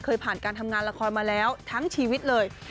เคยผ่านการทำงานละครมาแล้วทั้งชีวิตเลย